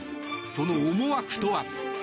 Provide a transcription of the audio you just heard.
その思惑とは？